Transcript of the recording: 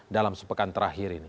dalam sepekan terakhir ini